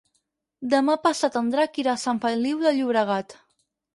Demà passat en Drac irà a Sant Feliu de Llobregat.